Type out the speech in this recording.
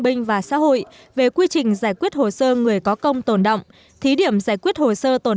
binh và xã hội về quy trình giải quyết hồ sơ người có công tồn động thí điểm giải quyết hồ sơ tồn